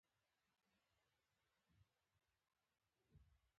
شپږ اتیا یمه پوښتنه د کمیسیون اهداف غواړي.